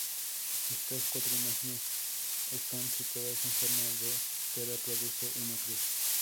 Estas cuatro imágenes están situadas en forma que reproduce una cruz.